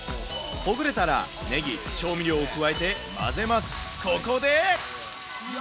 ほぐれたら、ネギ、調味料を加えて混ぜます。